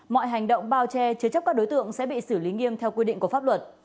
mọi hành động bao che chứa chấp các đối tượng sẽ bị xử lý nghiêm theo quy định của pháp luật